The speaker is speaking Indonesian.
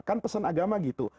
kan pesan agama gitu